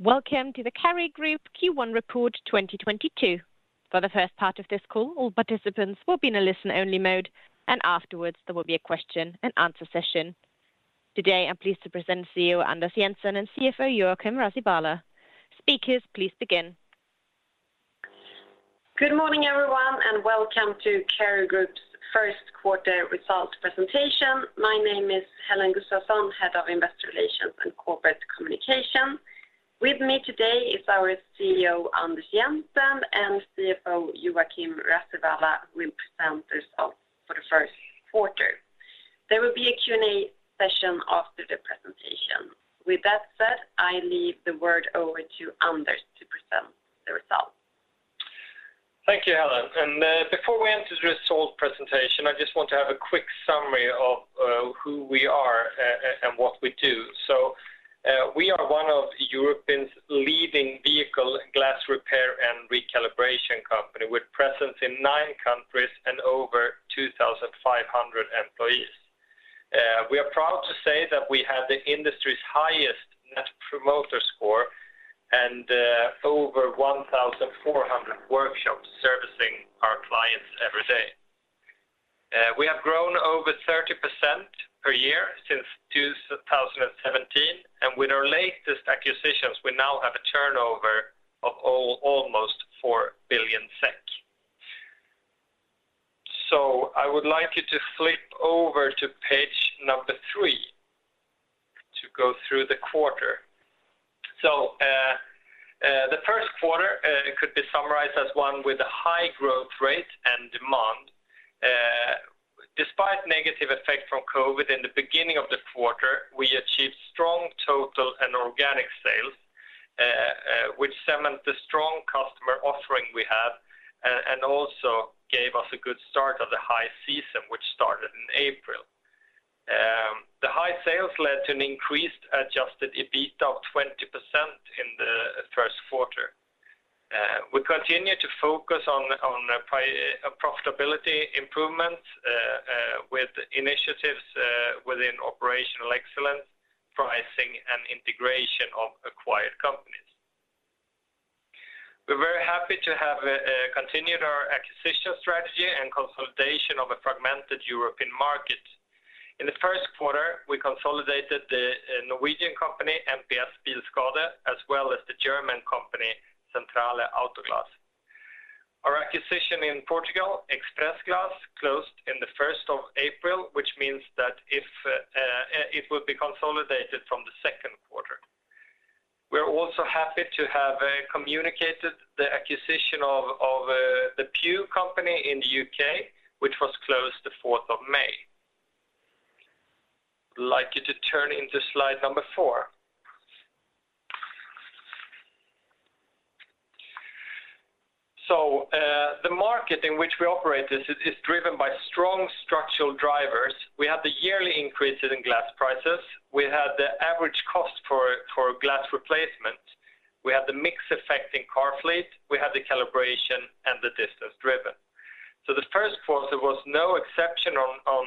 Welcome to the Cary Group Q1 report 2022. For the first part of this call, all participants will be in a listen-only mode, and afterwards there will be a question and answer session. Today, I'm pleased to present CEO Anders Jensen and CFO Joakim Rasiwala. Speakers, please begin. Good morning, everyone, and welcome to Cary Group's first quarter results presentation. My name is Helene Gustafsson, Head of Investor Relations and Corporate Communication. With me today is our CEO, Anders Jensen, and CFO, Joakim Rasiwala, will present results for the first quarter. There will be a Q&A session after the presentation. With that said, I leave the word over to Anders to present the results. Thank you, Helene. Before we enter the results presentation, I just want to have a quick summary of who we are and what we do. We are one of Europe's leading vehicle glass repair and replacement company with presence in nine countries and over 2,500 employees. We are proud to say that we have the industry's highest Net Promoter Score and over 1,400 workshops servicing our clients every day. We have grown over 30% per year since 2017, and with our latest acquisitions, we now have a turnover of almost SEK 4 billion. I would like you to flip over to page number three to go through the quarter. The first quarter could be summarized as one with a high growth rate and demand. Despite negative effect from COVID in the beginning of the quarter, we achieved strong total and organic sales, which cemented the strong customer offering we have, and also gave us a good start of the high season, which started in April. The high sales led to an increased adjusted EBITDA of 20% in the first quarter. We continue to focus on profitability improvements with initiatives within operational excellence, pricing and integration of acquired companies. We're very happy to have continued our acquisition strategy and consolidation of a fragmented European market. In the first quarter, we consolidated the Norwegian company, MPS Bilskade, as well as the German company, Zentrale Autoglas. Our acquisition in Portugal, ExpressGlass, closed in the first of April, which means that it will be consolidated from the second quarter. We are also happy to have communicated the acquisition of Pugh company in the U.K., which was closed the 4th May. I'd like you to turn to slide number four. The market in which we operate is driven by strong structural drivers. We have the yearly increases in glass prices. We have the average cost for glass replacement. We have the mix effect in car fleet. We have the calibration and the distance driven. The first quarter was no exception in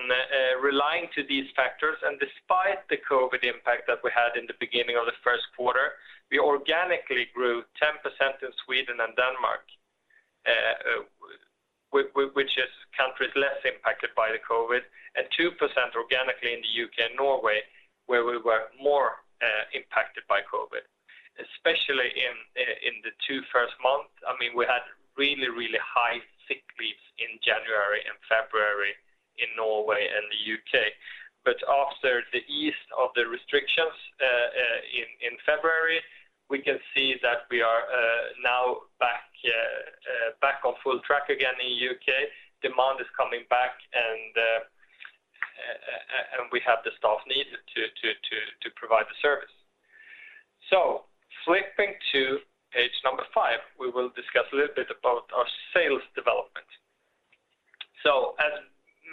relying on these factors. Despite the COVID impact that we had in the beginning of the first quarter, we organically grew 10% in Sweden and Denmark, which is countries less impacted by the COVID, and 2% organically in the U.K. and Norway, where we were more impacted by COVID. Especially in the two first months. I mean, we had really, really high sick leaves in January and February in Norway and the U.K.. But after the ease of the restrictions in February, we can see that we are now back on full track again in U.K.. Demand is coming back and we have the staff needed to provide the service. Flipping to page number five, we will discuss a little bit about our sales development. As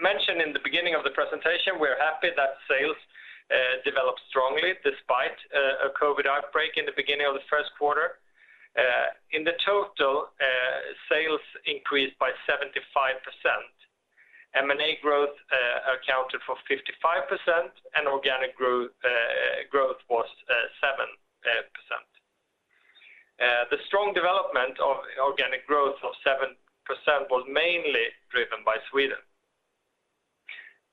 mentioned in the beginning of the presentation, we're happy that sales developed strongly despite a COVID outbreak in the beginning of the first quarter. In total, sales increased by 75%. M&A growth accounted for 55%, and organic growth was 7%. The strong development of organic growth of 7% was mainly driven by Sweden.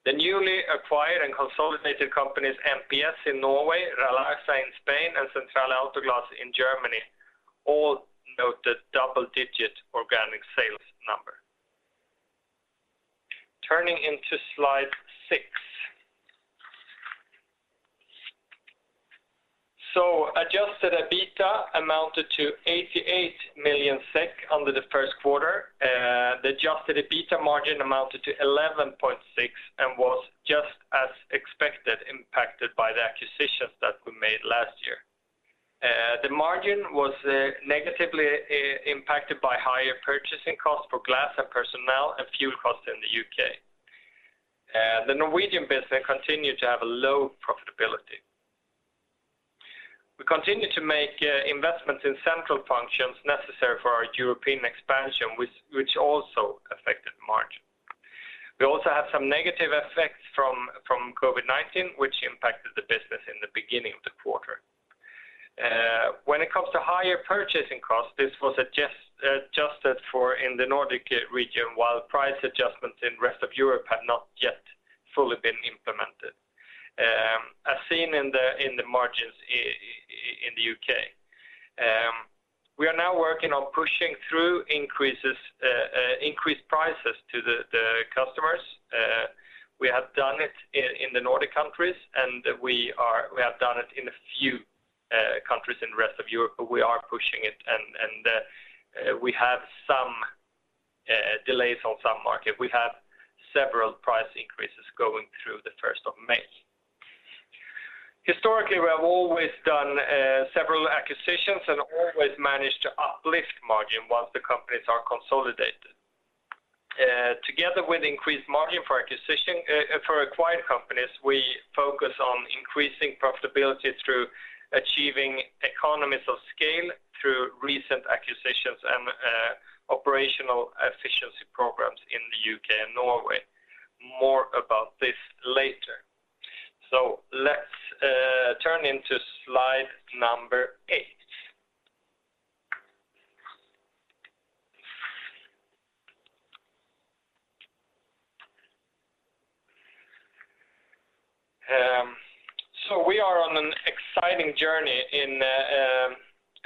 The newly acquired and consolidated companies, MPS in Norway, Ralarsa in Spain, and Zentrale Autoglas in Germany, all noted double-digit organic sales number. Turning to slide six. Adjusted EBITDA amounted to 88 million SEK in the first quarter. The adjusted EBITDA margin amounted to 11.6% and was just as expected, impacted by the acquisitions that we made last year. The margin was negatively impacted by higher purchasing costs for glass and personnel and fuel costs in the U.K.. The Norwegian business continued to have a low profitability. We continue to make investments in central functions necessary for our European expansion, which also affected us. Some negative effects from COVID-19, which impacted the business in the beginning of the quarter. When it comes to higher purchasing costs, this was adjusted for in the Nordic region, while price adjustments in rest of Europe had not yet fully been implemented, as seen in the margins in the U.K.. We are now working on pushing through increased prices to the customers. We have done it in the Nordic countries, and we have done it in a few countries in rest of Europe, but we are pushing it and we have some delays on some market. We have several price increases going through the 1st May. Historically, we have always done several acquisitions and always managed to uplift margin once the companies are consolidated. Together with increased margin for acquired companies, we focus on increasing profitability through achieving economies of scale through recent acquisitions and operational efficiency programs in the U.K. and Norway. More about this later. Let's turn to slide number eight. We are on an exciting journey in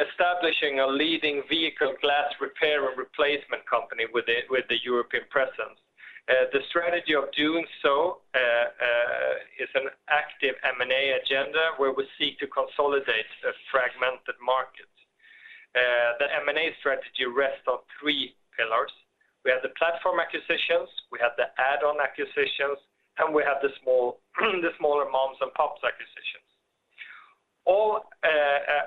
establishing a leading vehicle glass repair and replacement company with the European presence. The strategy of doing so is an active M&A agenda where we seek to consolidate a fragmented market. The M&A strategy rests on three pillars. We have the platform acquisitions, we have the add-on acquisitions, and we have the smaller moms and pops acquisitions. All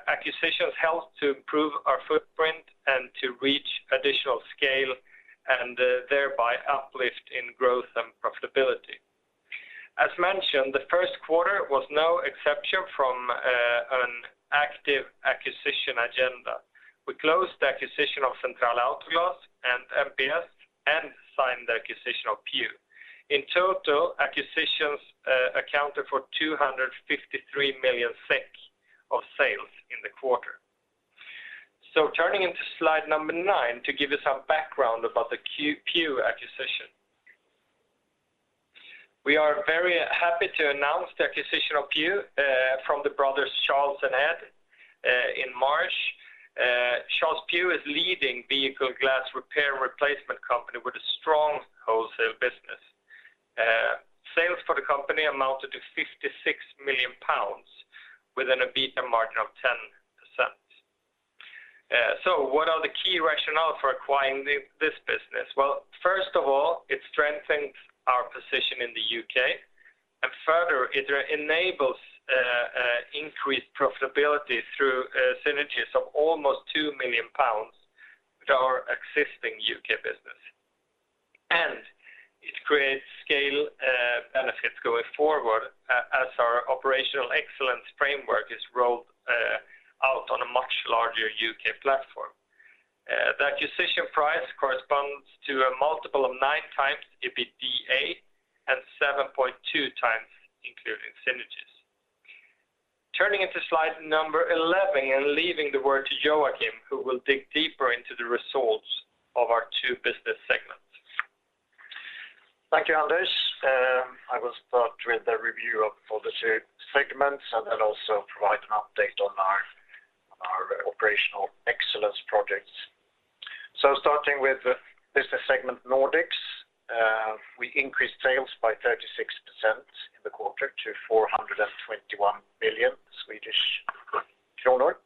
acquisitions help to improve our footprint and to reach additional scale and thereby uplift in growth and profitability. As mentioned, the first quarter was no exception from an active acquisition agenda. We closed the acquisition of Zentrale Autoglas and MPS and signed the acquisition of Pugh. In total, acquisitions accounted for 253 million SEK of sales in the quarter. Turning to slide number nine to give you some background about the Pugh acquisition. We are very happy to announce the acquisition of Pugh from the brothers Charles and Ed in March. Charles Pugh is a leading vehicle glass repair and replacement company with a strong wholesale business. Sales for the company amounted to 56 million pounds within an EBITDA margin of 10%. What are the key rationale for acquiring this business? Well, first of all, it strengthens our position in the U.K., and further it enables increased profitability through synergies of almost 2 million pounds with our existing U.K. business. It creates scale benefits going forward as our operational excellence framework is rolled out on a much larger U.K. platform. The acquisition price corresponds to a multiple of 9x EBITDA and 7.2x including synergies. Turning to slide number 11 and leaving the word to Joakim, who will dig deeper into the results of our two business segments. Thank you, Anders. I will start with a review of all the two segments and then also provide an update on our operational excellence projects. Starting with the business segment Nordics, we increased sales by 36% in the quarter to 421 million Swedish kronor.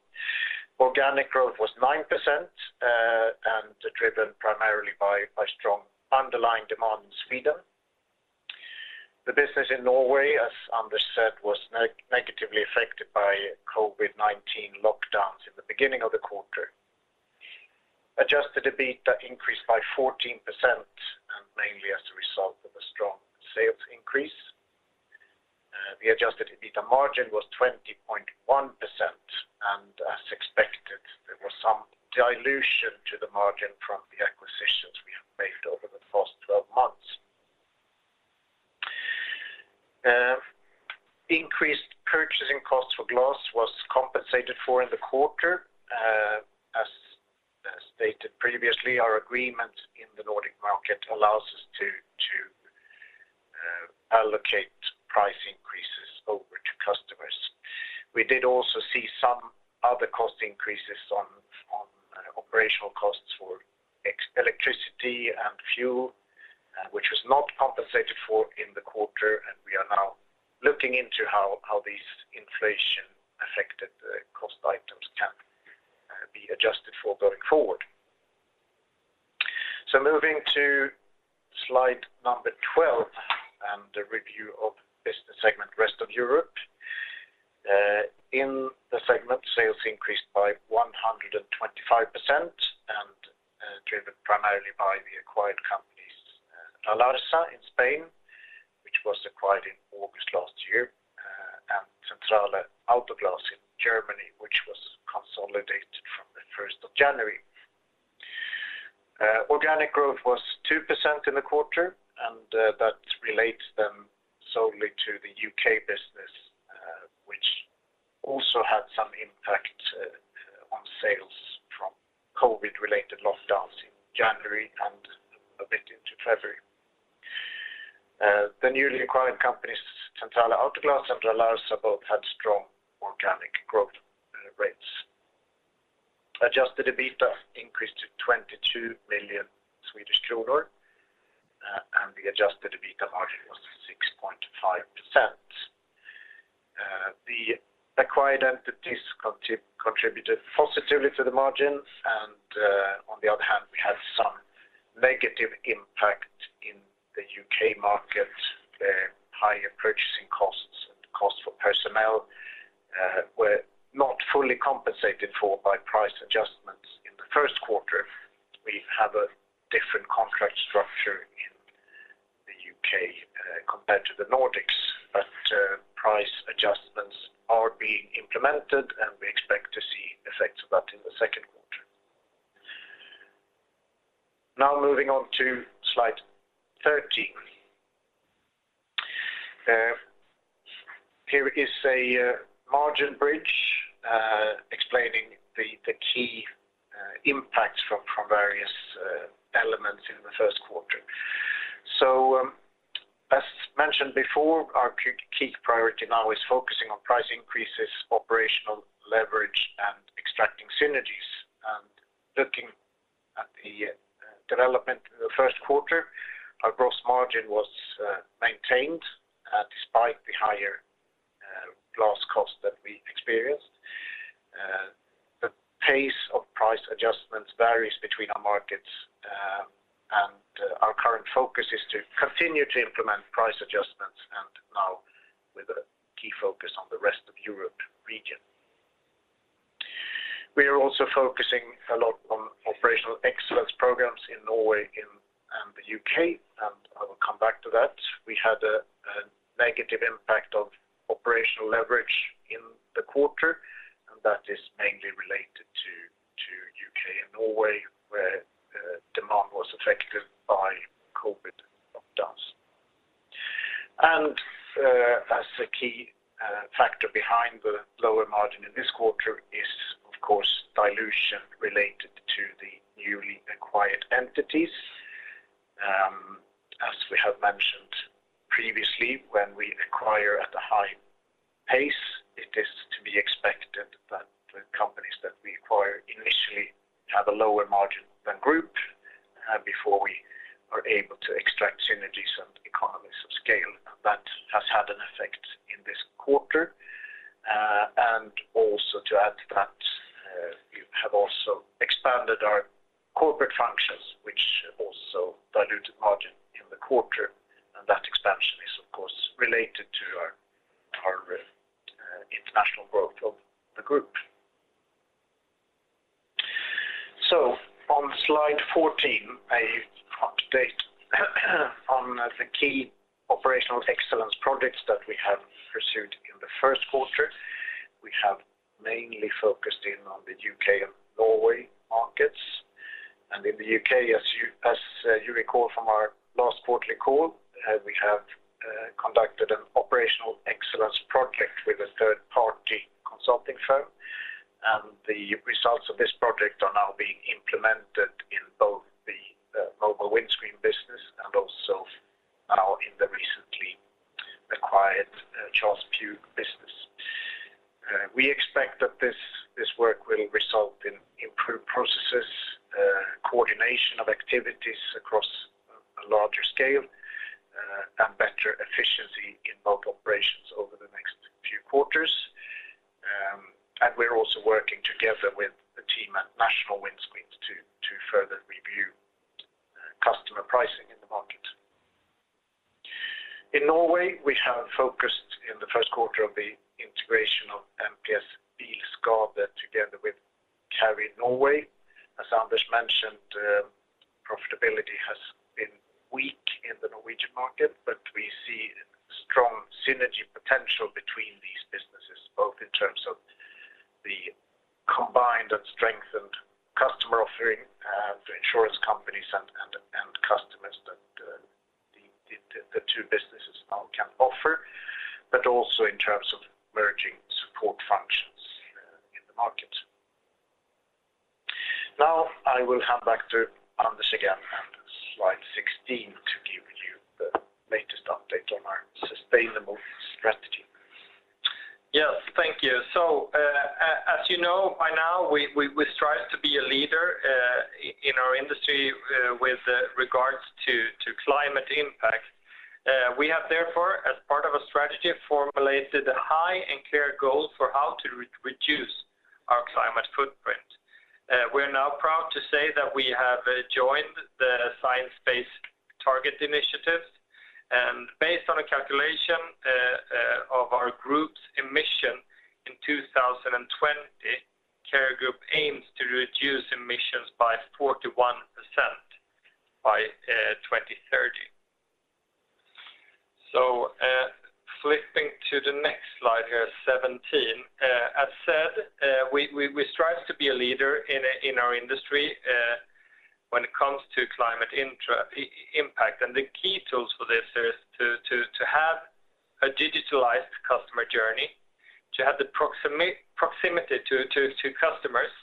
Organic growth was 9% and driven primarily by strong underlying demand in Sweden. The business in Norway, as Anders said, was negatively affected by COVID-19 lockdowns in the beginning of the quarter. Adjusted EBITDA increased by 14% and mainly as a result of a strong sales increase. The adjusted EBITDA margin was 20.1% and as expected, there was some dilution to the margin from the acquisitions we have made over the first 12 months. Increased purchasing costs for glass was compensated for in the quarter. As stated previously, our agreement in the Nordic market allows us to allocate price increases over to customers. We did also see some other cost increases on operational costs for example, electricity and fuel, which was not compensated for in the quarter. We are now looking into how these inflation-affected cost items can be adjusted for going forward. Moving to slide number 12 and a review of business segment Rest of Europe. In the segment, sales increased by 125% and driven primarily by the acquired companies, Ralarsa in Spain, which was acquired in August last year. Zentrale Autoglas in Germany, which was consolidated from the 1st January. Organic growth was 2% in the quarter, and that relates then solely to the U.K. business, which also had some impact on sales from COVID-related lockdowns in January and a bit into February. The newly acquired companies, Zentrale Autoglas and Ralarsa, have both had strong organic growth rates. Adjusted EBITDA increased to 22 million Swedish kronor, and the adjusted EBITDA margin was 6.5%. The acquired entities contributed positively to the margins and, on the other hand, we had some negative impact in the U.K. market. The higher purchasing costs and the cost for personnel were not fully compensated for by price adjustments in the first quarter. We have a different contract structure in the U.K., compared to the Nordics, but price adjustments are being implemented, and we expect to see effects of that in the second quarter. Now moving on to slide 13. Here is a margin bridge explaining the key impacts from various elements in the first quarter. As mentioned before, our key priority now is focusing on price increases, operational leverage, and extracting synergies. Looking at the development in the first quarter, our gross margin was maintained despite the higher glass cost that we experienced. The pace of price adjustments varies between our markets, and our current focus is to continue to implement price adjustments and now with a key focus on the rest of Europe region. We are also focusing a lot on operational excellence programs in Norway and the U.K., and I will come back to that. We had a negative impact of operational leverage in the quarter, and that is mainly related to U.K. and Norway, where demand was affected by COVID lockdowns. As a key factor behind the lower margin in this quarter is, of course, dilution related to the newly acquired entities. As we have mentioned previously, when we acquire at a high pace, it is to be expected that the companies that we acquire initially have a lower margin than group before we are able to extract synergies and economies of scale. That has had an effect in this quarter. We have also expanded our corporate functions, which also diluted margin in the quarter, and that expansion is of course related to our international growth of the group. On slide 14, an update on the key operational excellence projects that we have pursued in the first quarter. We have mainly focused in on the U.K. and Norway markets. In the U.K., as you recall from our last quarterly call, we have conducted an operational excellence project with a third party consulting firm. The results of this project are now being implemented in both the Mobile Windscreens business and also now in the recently acquired Charles Pugh business. We expect that this work will result in improved processes, coordination of activities across a larger scale, and better efficiency in both operations over the next few quarters. We're also working together with the team at National Windscreens to further review customer pricing in the market. In Norway, we have focused in the first quarter on the integration of MPS Bilskade together with Cary Norway. As Anders mentioned, profitability has been weak in the Norwegian market, but we see strong synergy potential between these businesses, both in terms of the combined and strengthened customer offering to insurance companies and customers that the two businesses now can offer, but also in terms of merging support functions in the market. Now I will hand back to Anders again and slide 16 to give you the latest update on our sustainable strategy. Yes, thank you. As you know, by now, we strive to be a leader in our industry with regards to climate impact. We have therefore, as part of a strategy, formulated a high and clear goal for how to reduce our climate footprint. We're now proud to say that we have joined the Science Based Targets initiatives, based on a calculation of our group's emissions in 2020. Cary Group aims to reduce emissions by 41% by 2030. Flipping to the next slide here, 17. As said, we strive to be a leader in our industry when it comes to climate impact. The key tools for this is to have a digitalized customer journey, to have the proximity to customers,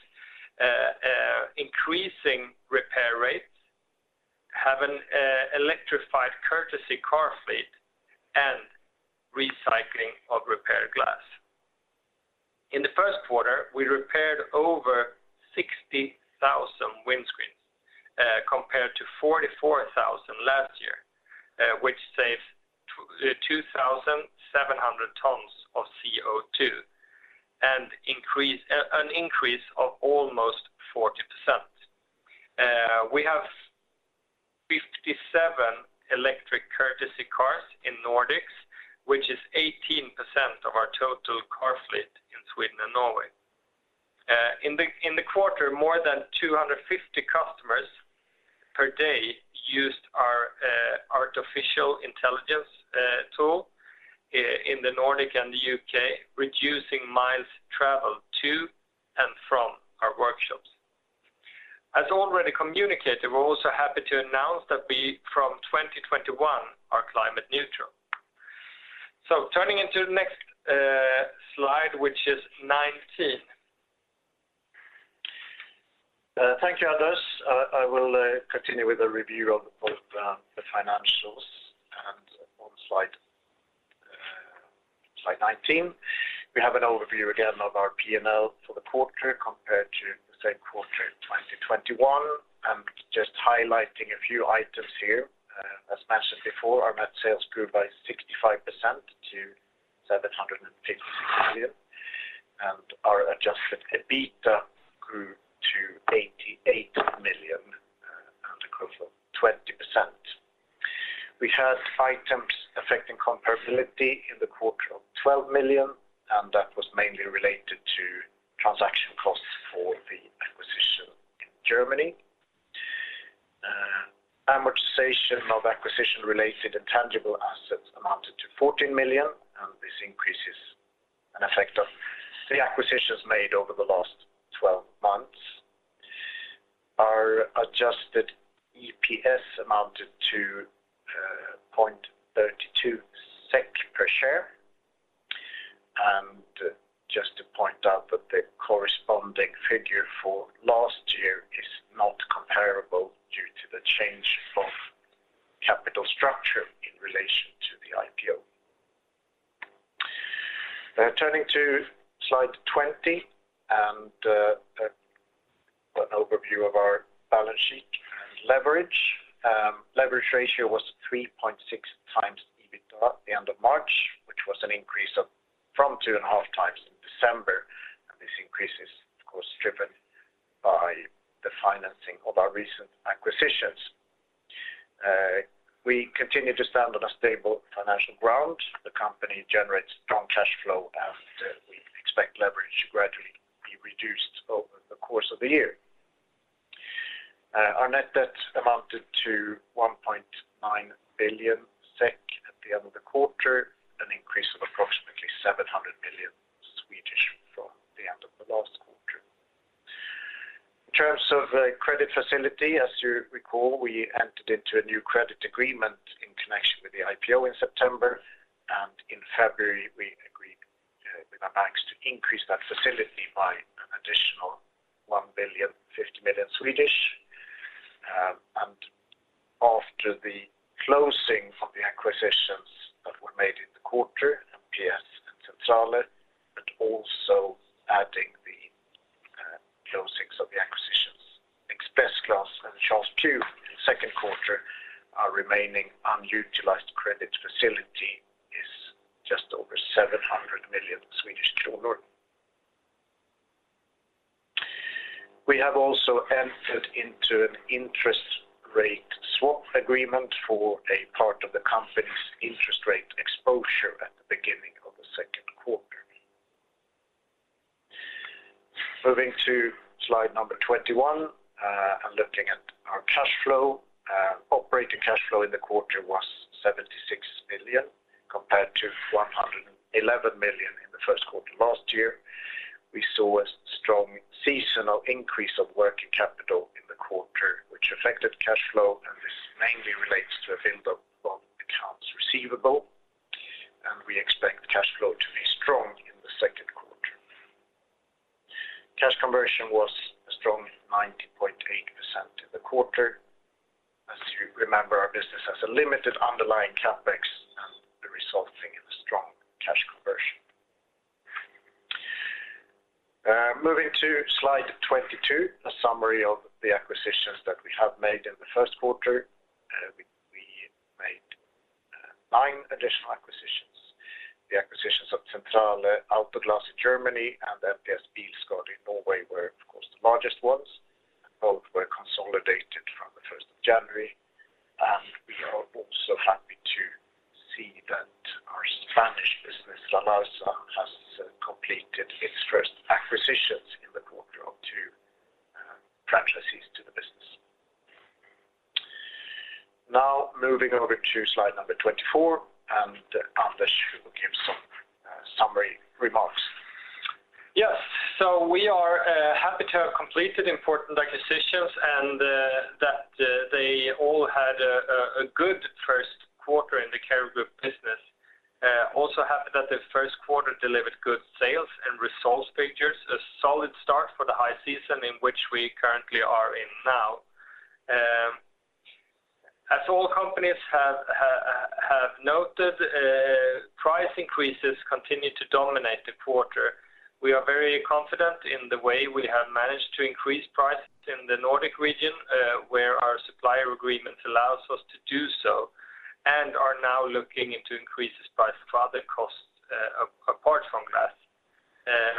increasing repair rates, have an electrified courtesy car fleet, and recycling of repair glass. In the first quarter, we repaired over 60,000 windscreens, compared to 44,000 last year, which saves 2,700 tons of CO2 and an increase of almost 40%. We have 57 electric courtesy cars in Nordics, which is 18% of our total car fleet in Sweden and Norway. In the quarter, more than 250 customers per day used our artificial intelligence tool in the Nordic and the U.K., reducing miles traveled to and from our workshops. As already communicated, we're also happy to announce that we, from 2021 are climate neutral. Turning to the next slide, which is 19. Thank you, Anders. I will continue with a review of the financials. On slide 19, we have an overview again of our P&L for the quarter compared to the same quarter in 2021. Just highlighting a few items here. As mentioned before, our net sales grew by 65% to 756 million. Our adjusted EBITDA grew to 88 million, and a growth of 20%. We had items affecting comparability in the quarter of 12 million, and that was mainly related to transaction costs for the acquisition in Germany. Amortization of acquisition-related intangible assets amounted to 14 million, and this has an increasing effect of the acquisitions made over the last 12 months. Our adjusted EPS amounted to 0.32 SEK per share. Just to point out that the corresponding figure for last year is not comparable due to the change of capital structure in relation to the IPO. Turning to slide 20 and an overview of our balance sheet and leverage. Leverage ratio was 3.6x EBITDA at the end of March, which was an increase from 2.5x in December. This increase is of course driven by the financing of our recent acquisitions. We continue to stand on a stable financial ground. The company generates strong cash flow, and we expect leverage to gradually be reduced over the course of the year. Our net debt amounted to 1.9 billion SEK at the end of the quarter, an increase of approximately 700 million SEK from the end of the last quarter. In terms of credit facility, as you recall, we entered into a new credit agreement in connection with the IPO in September, and in February we agreed with our banks to increase that facility by an additional 1.05 billion. After the closing of the acquisitions that were made in the quarter, MPS and Zentrale, and also adding the closings of the acquisitions ExpressGlass and Charles Pugh in the second quarter, our remaining unutilized credit facility is just over SEK 700 million. We have also entered into an interest rate swap agreement for a part of the company's interest rate exposure at the beginning of the second quarter. Moving to slide number 21, and looking at our cash flow. Operating cash flow in the quarter was 76 million compared to 111 million in the first quarter last year. We saw a strong seasonal increase of working capital in the quarter, which affected cash flow, and this mainly relates to a build-up of accounts receivable. We expect cash flow to be strong in the second quarter. Cash conversion was a strong 90.8% in the quarter. As you remember, our business has a limited underlying CapEx and the resulting in a strong cash conversion. Moving to slide 22, a summary of the acquisitions that we have made in the first quarter. We made nine additional acquisitions. The acquisitions of Zentrale Autoglas in Germany and MPS Bilskade in Norway were of course the largest ones. Both were consolidated from the 1st January. We are also happy to see that our Spanish business, Ralarsa, has completed its first to the business. Now moving over to slide number 24, and Anders will give some summary remarks. Yes. We are happy to have completed important acquisitions and that they all had a good first quarter in the Cary Group business. Also happy that the first quarter delivered good sales and results figures, a solid start for the high season in which we currently are in now. As all companies have noted, price increases continue to dominate the quarter. We are very confident in the way we have managed to increase prices in the Nordic region, where our supplier agreement allows us to do so, and are now looking into increases by further costs, apart from that.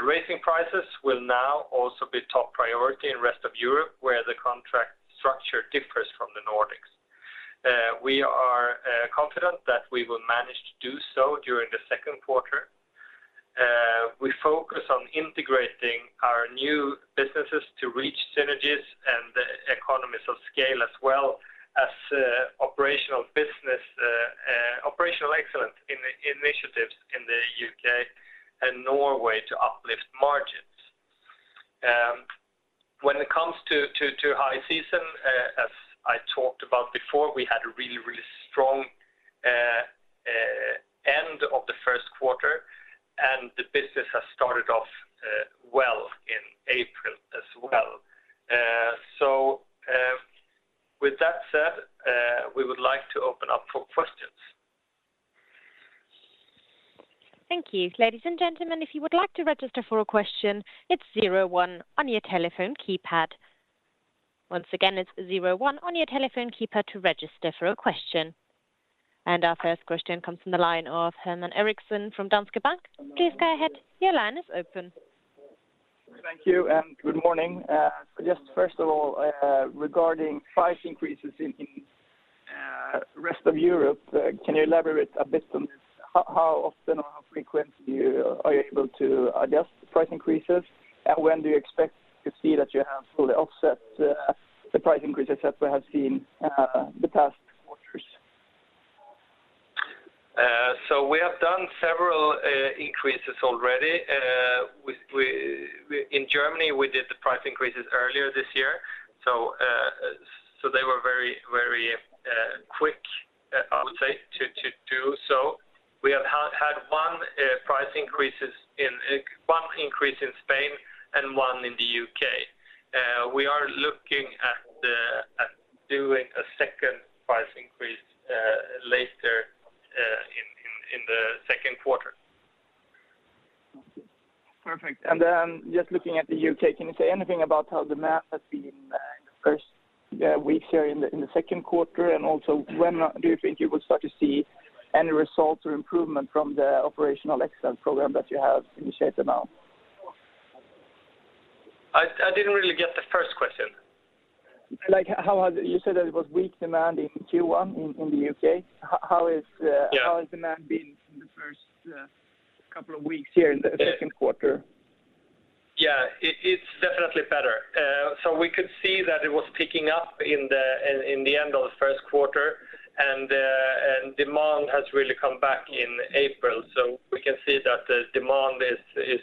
Raising prices will now also be top priority in rest of Europe, where the contract structure differs from the Nordics. We are confident that we will manage to do so during the second quarter. We focus on integrating our new businesses to reach synergies and the economies of scale, as well as operational excellence in initiatives in the U.K. and Norway to uplift margins. When it comes to high season, as I talked about before, we had a really strong end of the first quarter, and the business has started off well in April as well. With that said, we would like to open up for questions. Thank you. Ladies and gentlemen, if you would like to register for a question, it's zero one on your telephone keypad. Once again, it's zero one on your telephone keypad to register for a question. Our first question comes from the line of Herman Eriksson from Danske Bank. Please go ahead. Your line is open. Thank you and good morning. Just first of all, regarding price increases in rest of Europe, can you elaborate a bit on this? How often or how frequently are you able to adjust price increases? When do you expect to see that you have fully offset the price increases that we have seen the past quarters? We have done several increases already. In Germany, we did the price increases earlier this year. They were very quick, I would say, to do so. We have had one price increase in Spain and one in the U.K.. We are looking at doing a second price increase later in the second quarter. Perfect. Just looking at the U.K., can you say anything about how the month has been in the first weeks here in the second quarter? Also, when do you think you will start to see any results or improvement from the operational excellence program that you have initiated now? I didn't really get the first question. Like, you said that it was weak demand in Q1 in the U.K.. How has demand been in the first couple of weeks here in the second quarter? It's definitely better. We could see that it was picking up in the end of the first quarter, and demand has really come back in April. We can see that the demand is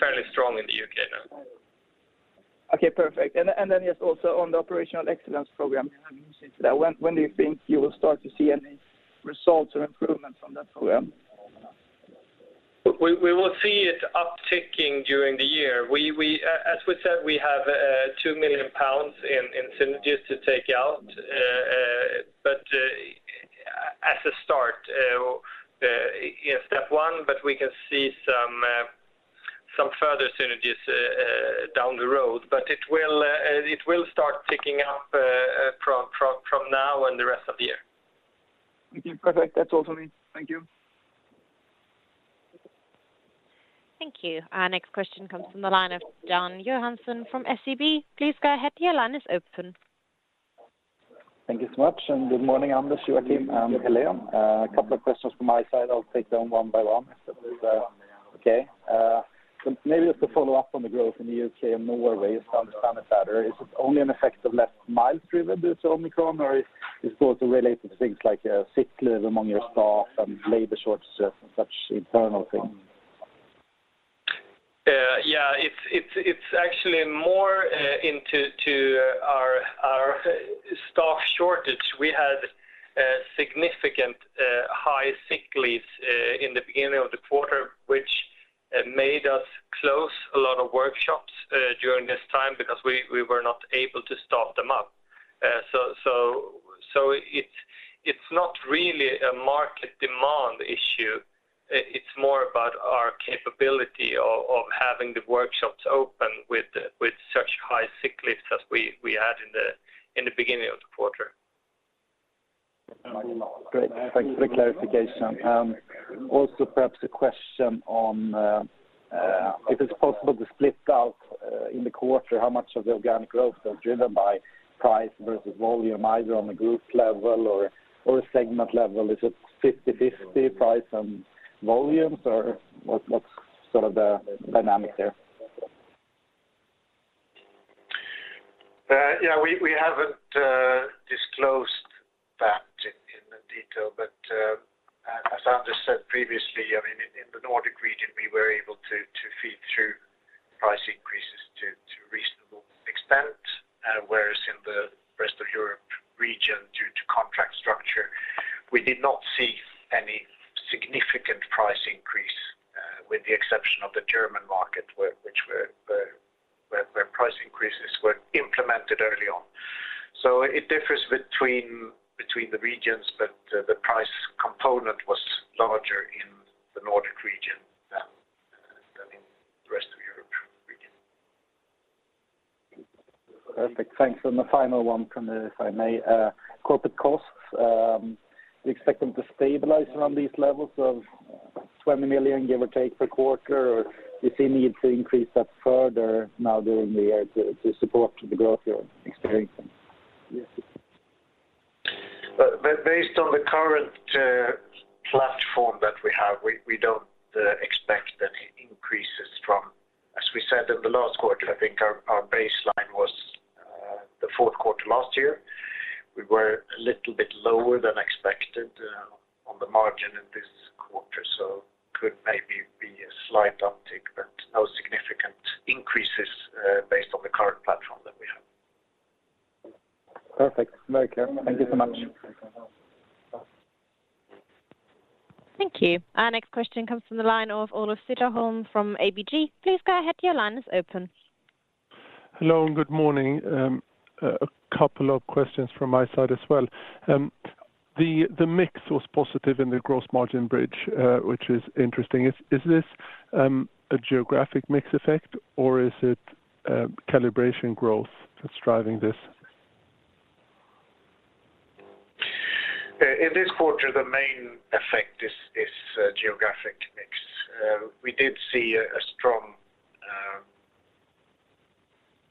fairly strong in the U.K. now. Okay, perfect. Just also on the operational excellence program, you said that when do you think you will start to see any results or improvements on that program? We will see it upticking during the year. As we said, we have 2 million pounds in synergies to take out, but as a start in step one, but we can see some further synergies down the road, but it will start ticking up from now and the rest of the year. Thank you. Perfect. That's all for me. Thank you. Thank you. Our next question comes from the line of Dan Johansson from SEB. Please go ahead. Your line is open. Thank you so much. Good morning, Anders, Joakim and Helene. A couple of questions from my side. I'll take them one by one. Maybe just to follow up on the growth in the UK and Norway to understand it better. Is it only an effect of less miles driven due to Omicron or is supposed to relate to things like sick leave among your staff and labor shortages and such internal things? It's actually more due to our staff shortage. We had significantly high sick leaves in the beginning of the quarter, which made us close a lot of workshops during this time because we were not able to staff them up. It's not really a market demand issue. It's more about our capability of having the workshops open with such high sick leaves as we had in the beginning of the quarter. Great. Thanks for the clarification. Also perhaps a question on if it's possible to split out in the quarter, how much of the organic growth are driven by price versus volume, either on a group level or a segment level? Is it 50/50 price and volumes or what's sort of the dynamic there? We haven't disclosed that in the detail, but as Anders said previously, I mean, in the Nordic region, we were able to feed through price increases to reasonable extent. Whereas in the rest of Europe region, due to contract structure, we did not see any significant price increase, with the exception of the German market where price increases were implemented early on. It differs between the regions, but the price component was larger in the Nordic region than in the rest of Europe region. Perfect. Thanks. The final one from me, if I may. Corporate costs, do you expect them to stabilize around these levels of 20 million, give or take per quarter, or do you see a need to increase that further now during the year to support the growth you're experiencing? Based on the current platform that we have, we don't expect any increases. As we said in the last quarter, I think our baseline was the fourth quarter last year. We were a little bit lower than expected on the margin in this quarter, so could maybe be a slight uptick, but no significant increases based on the current platform that we have. Perfect. Very clear. Thank you so much. Thank you. Our next question comes from the line of Olof Cederholm from ABG. Please go ahead. Your line is open. Hello and good morning. A couple of questions from my side as well. The mix was positive in the gross margin bridge, which is interesting. Is this a geographic mix effect or is it calibration growth that's driving this? In this quarter, the main effect is geographic mix. We did see a strong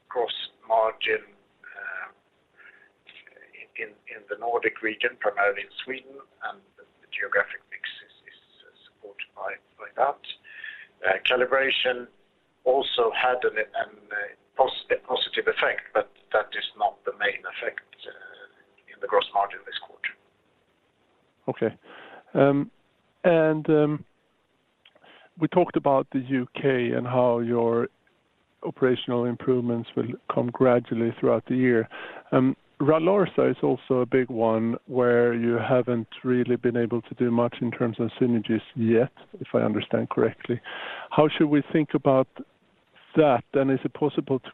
gross margin in the Nordic region, primarily in Sweden, and the geographic mix is supported by that. Calibration also had a positive effect, but that is not the main effect in the gross margin this quarter. Okay. We talked about the U.K. and how your operational improvements will come gradually throughout the year. Ralarsa is also a big one where you haven't really been able to do much in terms of synergies yet, if I understand correctly. How should we think about that? Is it possible to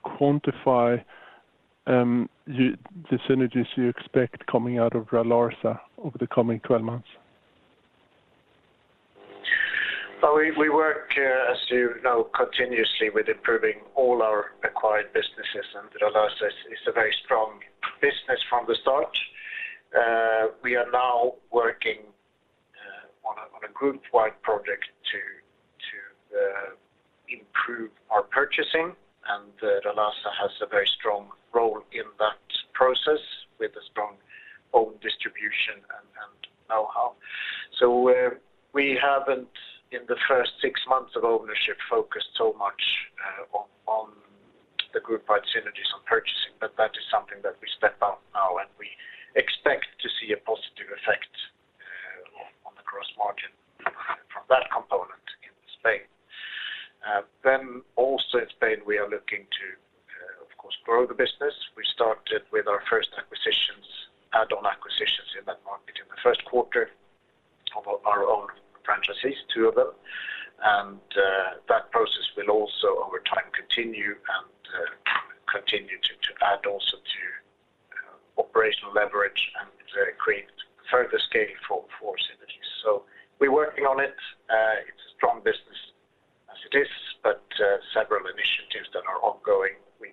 quantify the synergies you expect coming out of Ralarsa over the coming 12 months? Well, we work, as you know, continuously with improving all our acquired businesses, and Ralarsa is a very strong business from the start. We are now working on a groupwide project to improve our purchasing, and Ralarsa has a very strong role in that process with a strong own distribution and know-how. We haven't, in the first six months of ownership, focused so much on the groupwide synergies on purchasing, but that is something that we step up now, and we expect to see a positive effect on the gross margin from that component in Spain. Also in Spain, we are looking to, of course, grow the business. We started with our first acquisitions, add-on acquisitions in that market in the first quarter of our own franchises, two of them. That process will also over time continue to add also to operational leverage and create further scale for synergies. We're working on it. It's a strong business as it is, but several initiatives that are ongoing, we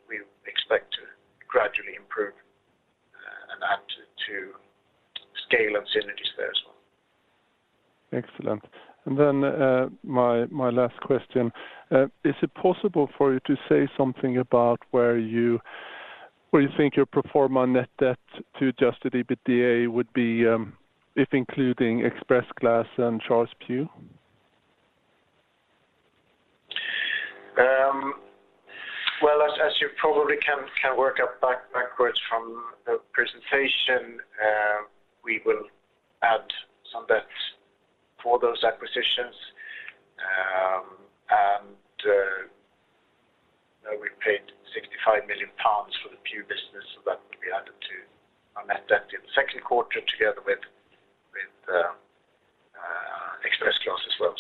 expect to gradually improve and add to scale and synergies there as well. Excellent. My last question. Is it possible for you to say something about where you think your pro forma net debt to adjusted EBITDA would be, if including ExpressGlass and Charles Pugh? Well, as you probably can work out backwards from the presentation, we will add some debt for those acquisitions. We paid 65 million pounds for the Pugh business, so that will be added to our net debt in the second quarter together with ExpressGlass as well.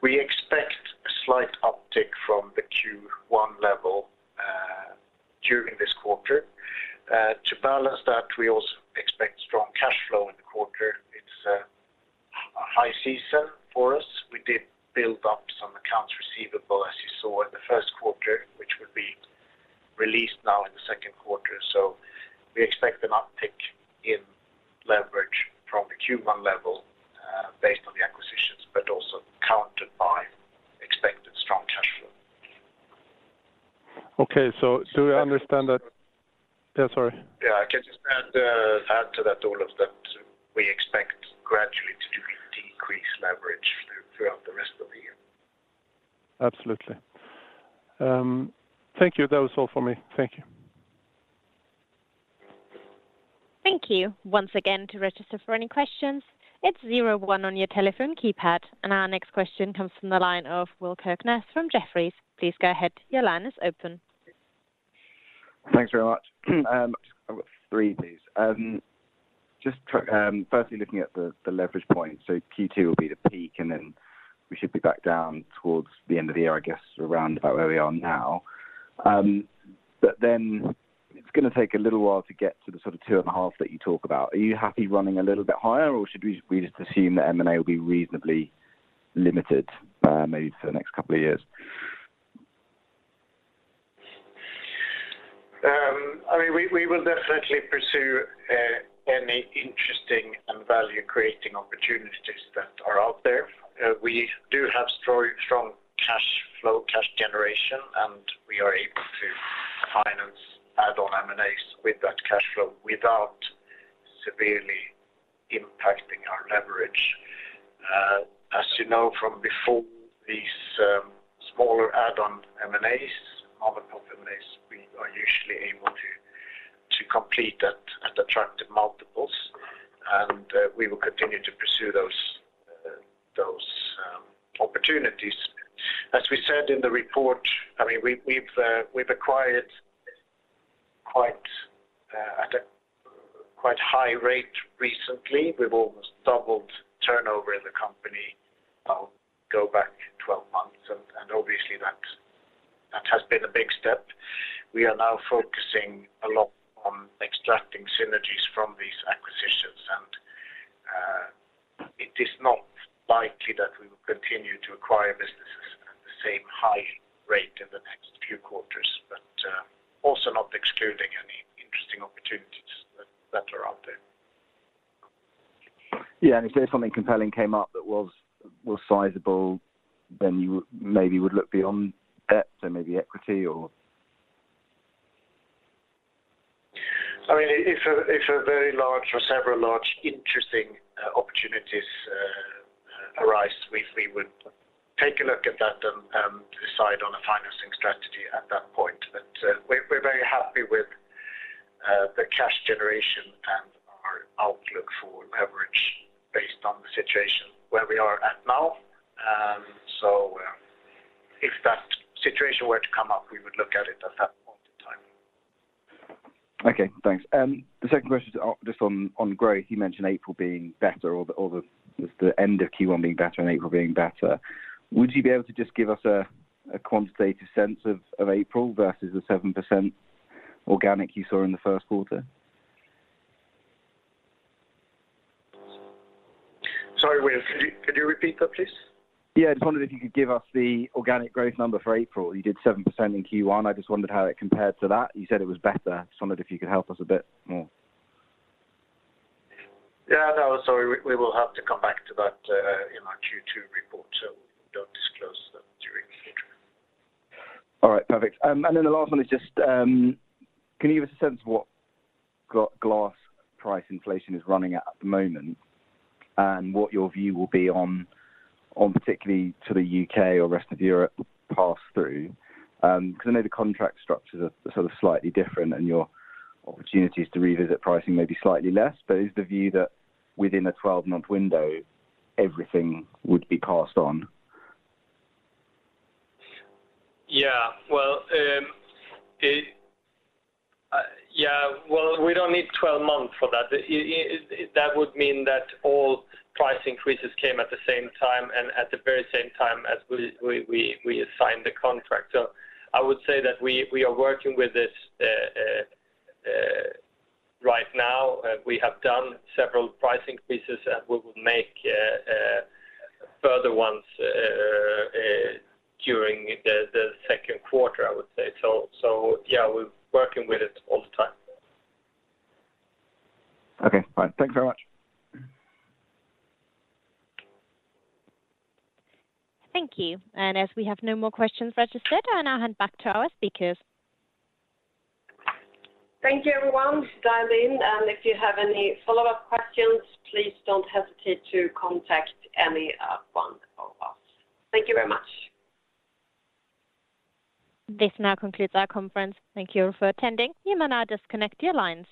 We expect a slight uptick from the Q1 level during this quarter. To balance that, we also expect strong cash flow in the quarter. It's a high season for us. We did build up some accounts receivable, as you saw in the first quarter, which will be released now in the second quarter. We expect an uptick in leverage from the Q1 level based on the acquisitions, but also countered by expected strong Okay. Do I understand that? Yeah, sorry. I can just add to that, Ola, that we expect gradually to decrease leverage throughout the rest of the year. Absolutely. Thank you. That was all for me. Thank you. Thank you. Once again, to register for any questions, it's zero one on your telephone keypad. Our next question comes from the line of Will Kirkness from Jefferies. Please go ahead. Your line is open. Thanks very much. I've got three of these. Just to firstly looking at the leverage point. Q2 will be the peak, and then we should be back down towards the end of the year, I guess, around about where we are now. Then it's gonna take a little while to get to the sort of 2.5 that you talk about. Are you happy running a little bit higher, or should we just assume that M&A will be reasonably limited, maybe for the next couple of years? I mean, we will definitely pursue any interesting and value-creating opportunities that are out there. We do have strong cash flow, cash generation, and we are able to finance add-on M&As with that cash flow without severely impacting our leverage. As you know from before, these smaller add-on M&As, other top M&As, we are usually able to complete at attractive multiples, and we will continue to pursue those opportunities. As we said in the report, I mean, we've acquired at quite a high rate recently. We've almost doubled turnover in the company, go back 12 months and obviously that has been a big step. We are now focusing a lot on extracting synergies from these acquisitions, and it is not likely that we will continue to acquire businesses at the same high rate in the next few quarters, but also not excluding any interesting opportunities that are out there. If say something compelling came up that was sizable, then you maybe would look beyond debt and maybe equity or? I mean, if a very large or several large interesting opportunities arise, we would take a look at that and decide on a financing strategy at that point. We're very happy with the cash generation and our outlook for leverage based on the situation where we are at now. If that situation were to come up, we would look at it at that point in time. Okay, thanks. The second question, just on growth. You mentioned April being better, just the end of Q1 being better and April being better. Would you be able to just give us a quantitative sense of April versus the 7% organic you saw in the first quarter? Sorry, Will, could you repeat that, please? Yeah. I just wondered if you could give us the organic growth number for April. You did 7% in Q1. I just wondered how it compared to that. You said it was better. Just wondered if you could help us a bit more. Yeah, no, sorry. We will have to come back to that in our Q2 report, so we don't disclose that during the interim. All right, perfect. The last one is just, can you give us a sense of what glass price inflation is running at the moment? What your view will be on particularly to the UK or rest of Europe pass through? 'Cause I know the contract structures are sort of slightly different and your opportunities to revisit pricing may be slightly less. Is the view that within a 12-month window, everything would be passed on? Well, we don't need 12 months for that. That would mean that all price increases came at the same time and at the very same time as we assigned the contract. I would say that we are working with this right now. We have done several price increases, and we will make further ones during the second quarter, I would say. Yeah, we're working with it all the time. Okay. All right. Thanks very much. Thank you. As we have no more questions registered, I now hand back to our speakers. Thank you everyone dialing, and if you have any follow-up questions, please don't hesitate to contact any one of us. Thank you very much. This now concludes our conference. Thank you for attending. You may now disconnect your lines.